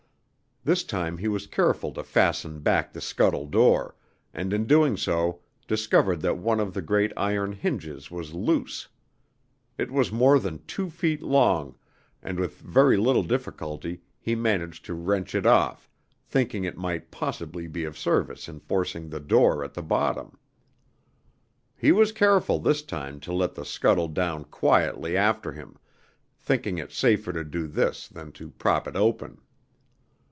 This time he was careful to fasten back the scuttle door, and in doing so discovered that one of the great iron hinges was loose. It was more than two feet long, and with very little difficulty he managed to wrench it off, thinking it might possibly be of service in forcing the door at the bottom. He was careful this time to let the scuttle down quietly after him, thinking it safer to do this than to prop it open.